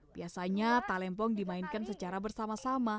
biasanya talempong dimainkan secara berbeda